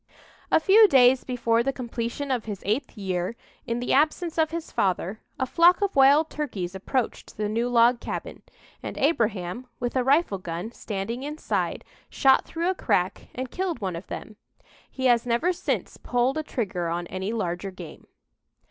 "A few days before the completion of his eighth year, in the absence of his father, a flock of wild turkeys approached the new log cabin, and Abraham, with a rifle gun, standing inside, shot through a crack and killed one of them. He has never since pulled a trigger on any larger game."